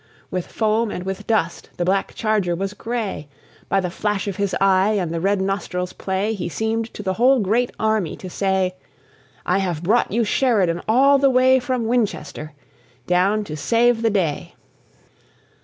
With foam and with dust the black charger was gray; By the flash of his eye, and the red nostrils' play, He seemed to the whole great army to say: "I have brought you Sheridan all the way From Winchester down to save the day!"